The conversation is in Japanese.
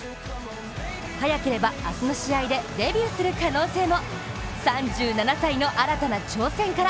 早ければ明日の試合でデビューする可能性も。